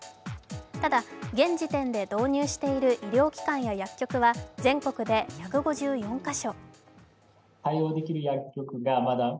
ただ、現時点で導入している医療機関や薬局は全国で１５４か所。